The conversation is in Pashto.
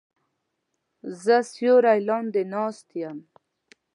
زه سیوری لاندې ناست یم